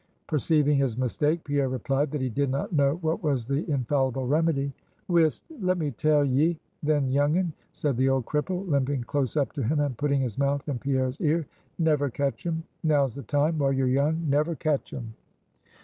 Perceiving his mistake, Pierre replied that he did not know what was the infallible remedy. "Whist! let me tell ye, then, young 'un," said the old cripple, limping close up to him, and putting his mouth in Pierre's ear "Never catch 'em! now's the time, while you're young: never catch 'em!"